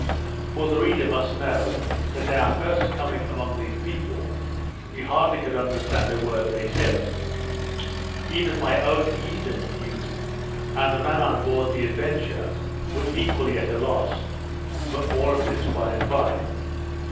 For the reader must know, that at our first coming among these people, we hardly could understand a word they said. Even my Otaheitean youth, and the man on board the Adventure, were equally at a loss; but more of this by and by.